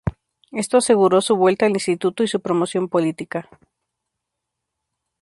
Esto aseguró su vuelta al Instituto y su promoción política.